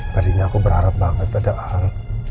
tadinya aku berharap banget padahal